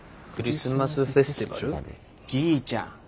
じいちゃん。